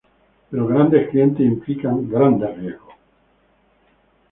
Pero grandes clientes implican grandes riesgos.